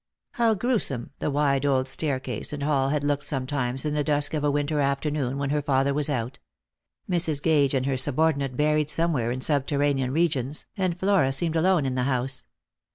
How gruesome the wide old staircase and hall had looked sometimes in the dusk of 'a winter afternoon when her father was out, Mrs. Gage and her subor dinate buried somewhere in subterranean regions, and Flora seemed alone in the house